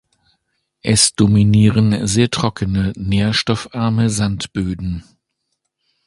Es dominieren sehr trockene, nährstoffarme Sandböden.